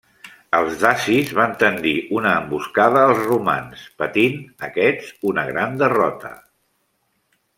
Els dacis van tendir una emboscada als romans, patint aquests una gran derrota.